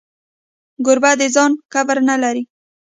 کوربه د ځان کبر نه لري.